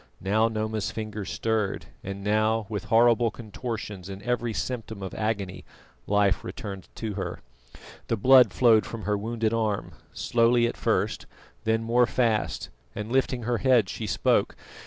Now Noma's fingers stirred, and now, with horrible contortions and every symptom of agony, life returned to her. The blood flowed from her wounded arm, slowly at first, then more fast, and lifting her head she spoke.